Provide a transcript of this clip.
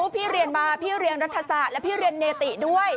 พี่เรียนมาพี่เรียนรัฐศาสตร์แล้วพี่เรียนเนติด้วย